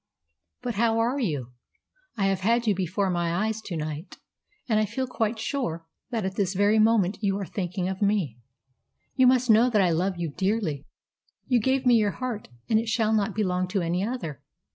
"But how are you? I have had you before my eyes to night, and I feel quite sure that at this very moment you are thinking of me. You must know that I love you dearly. You gave me your heart, and it shall not belong to any other.